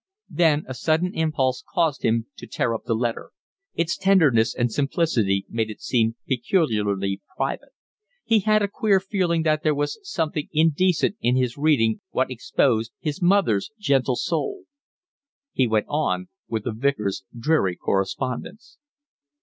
Then a sudden impulse caused him to tear up the letter; its tenderness and simplicity made it seem peculiarly private; he had a queer feeling that there was something indecent in his reading what exposed his mother's gentle soul. He went on with the Vicar's dreary correspondence.